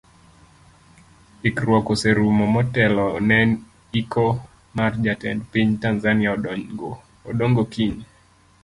Ikruok oserumo motelo ne iko mar jatend piny tanzania Odongo kiny.